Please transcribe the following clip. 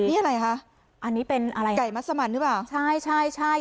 นี่อะไรคะอันนี้เป็นอะไรไก่มัสมันหรือเปล่าใช่ใช่